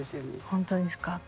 本当ですか？